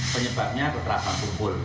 penyebabnya keterangan kumpul